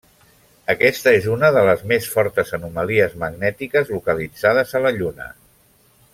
Aquesta és una de les més fortes anomalies magnètiques localitzades a la Lluna.